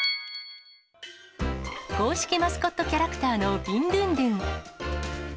公式マスコットキャラクターのビンドゥンドゥン。